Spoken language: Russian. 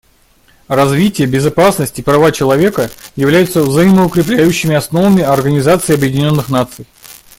Развитие, безопасность и права человека являются взаимоукрепляющими основами Организации Объединенных Наций.